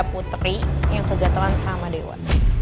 putri yang kegatelan sama dewa